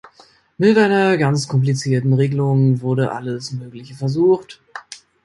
Mit einer ganz komplizierten Regelung wurde alles mögliche versucht.